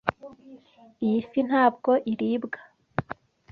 Iyi fi ntabwo iribwa.